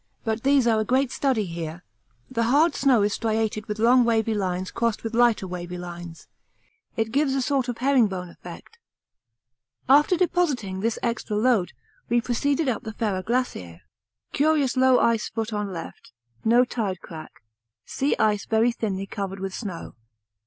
but these are a great study here; the hard snow is striated with long wavy lines crossed with lighter wavy lines. It gives a sort of herringbone effect. After depositing this extra load we proceeded up the Ferrar Glacier; curious low ice foot on left, no tide crack, sea ice very thinly covered with snow.